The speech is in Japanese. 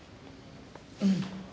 うん。